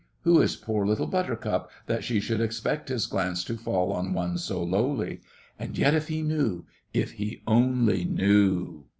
Who is poor Little Buttercup that she should expect his glance to fall on one so lowly! And yet if he knew—if he only knew!